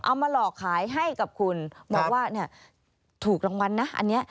เอามาหลอกขายให้กับคุณบอกว่าเนี่ยถูกรางวัลนะอันนี้